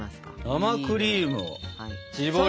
生クリームを絞りまして。